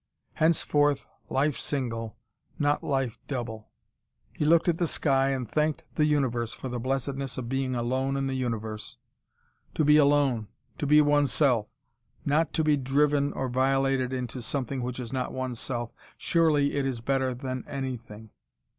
Henceforth, life single, not life double. He looked at the sky, and thanked the universe for the blessedness of being alone in the universe. To be alone, to be oneself, not to be driven or violated into something which is not oneself, surely it is better than anything.